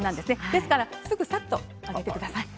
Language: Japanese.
ですからさっとあげてください。